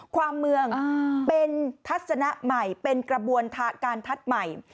ความเมืองเป็นทัศนะใหม่เป็นกระบวนการทัศน์ใหม่